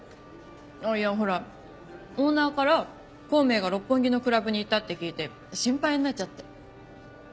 あっいやほらオーナーから孔明が六本木のクラブに行ったって聞いて心配になっちゃって。